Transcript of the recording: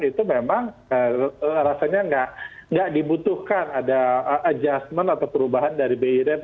itu memang rasanya nggak dibutuhkan ada adjustment atau perubahan dari bi rate